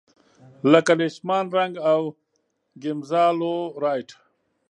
لکه لیشمان رنګ او ګیمزا لو رایټ.